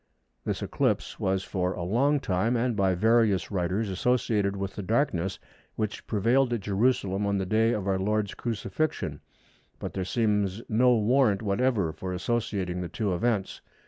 This eclipse was for a long time, and by various writers, associated with the darkness which prevailed at Jerusalem on the day of our Lord's Crucifixion, but there seems no warrant whatever for associating the two events.